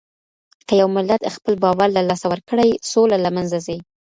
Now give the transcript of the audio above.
که يو ملت خپل باور له لاسه ورکړي، سوله له منځه ځي.